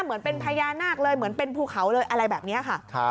เหมือนเป็นพญานาคเลยเหมือนเป็นภูเขาเลยอะไรแบบนี้ค่ะ